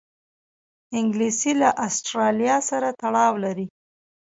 انګلیسي له آسټرالیا سره تړاو لري